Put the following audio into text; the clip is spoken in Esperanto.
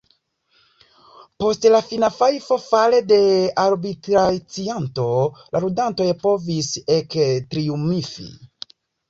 Post la fina fajfo fare de la arbitracianto, la ludantoj povis ektriumfi.